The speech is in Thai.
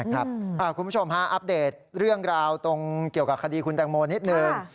คุณผู้ชมฮะอัปเดตเรื่องราวตรงเกี่ยวกับคดีคุณแตงโมนิดนึง